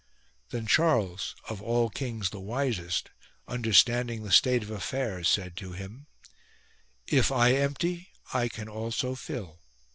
Then Charles, of all kings the wisest, understanding the state of affairs said to him :" If I empty I can also fill."